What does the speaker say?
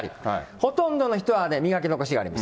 ほとんどの人は磨き残しがあります。